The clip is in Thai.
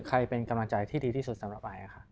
ใครเป็นกำลังใจที่ดีที่สุดสำหรับไอครับ